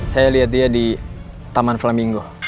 saya lihat dia di taman flaminggo